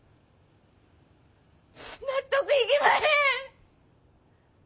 納得いきまへん！